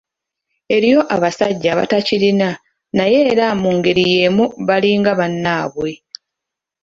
Eriyo abasajja abatakirina naye era mu ngeri yeemu balinga bannaabwe.